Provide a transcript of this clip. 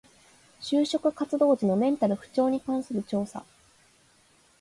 就職活動時のメンタル不調に関する調査